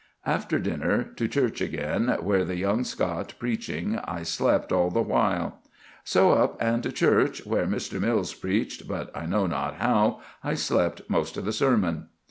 "After dinner, to church again, where the young Scot preaching, I slept all the while."—"So up and to church, where Mr. Mills preached, but I know not how; I slept most of the sermon."